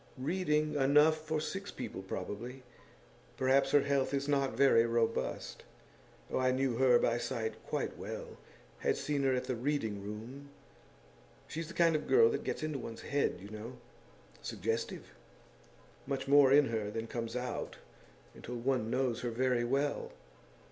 'Reading enough for six people, probably. Perhaps her health is not very robust. Oh, I knew her by sight quite well had seen her at the Reading room. She's the kind of girl that gets into one's head, you know suggestive; much more in her than comes out until one knows her very well.